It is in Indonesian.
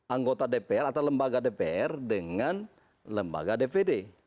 anggota dpr atau lembaga dpr dengan lembaga dpd